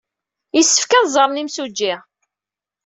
Yessefk ad ẓren imsujji.